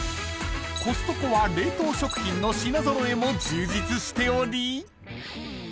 ［コストコは冷凍食品の品揃えも充実しており］